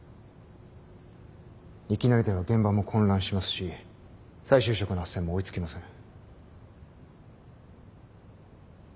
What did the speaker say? いきなりでは現場も混乱しますし再就職のあっせんも追いつきません。